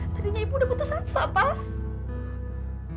tadinya ibu udah putus asa pak